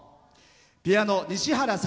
ピアノ、西原悟。